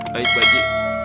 baik pak haji